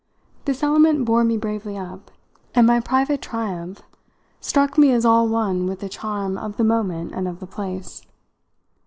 This element bore me bravely up, and my private triumph struck me as all one with the charm of the moment and of the place.